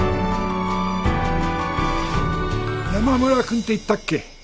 山村くんって言ったっけ？